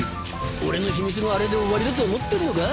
俺の秘密があれで終わりだと思ってんのか？